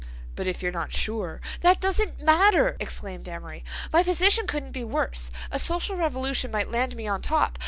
"But, if you're not sure—" "That doesn't matter," exclaimed Amory. "My position couldn't be worse. A social revolution might land me on top.